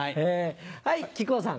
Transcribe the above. はい木久扇さん。